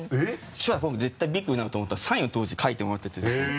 将来僕絶対ビッグになると思ったんでサインを当時書いてもらっててですね。